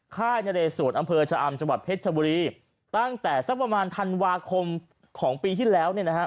ค่ายนเรสวนอำเภอชะอำจังหวัดเพชรชบุรีตั้งแต่สักประมาณธันวาคมของปีที่แล้วเนี่ยนะฮะ